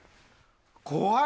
怖い！